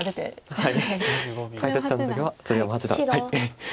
はい。